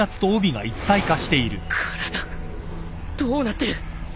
体どうなってる！？